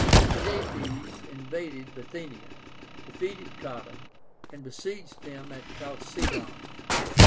Mithradátes invaded Bithynia, defeated Cotta, and besieged him at Chalcédon.